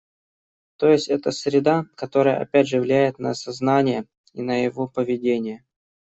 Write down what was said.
То есть это среда, которая опять же влияет на сознание и на его поведение